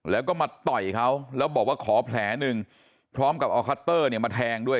แล้วก็มาต่อยเขาแล้วบอกว่าขอแผลหนึ่งพร้อมกับเอาคัตเตอร์เนี่ยมาแทงด้วย